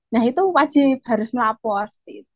nah itu wajib harus melapor